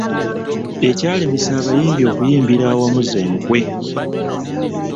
Ekyalemesa abayimbi okuyimbira awamu z’enkwe.